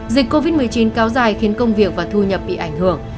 dịch covid một mươi chín kéo dài khiến công việc và thu nhập bị ảnh hưởng